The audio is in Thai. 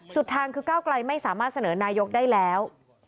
ทางคือก้าวไกลไม่สามารถเสนอนายกได้แล้ว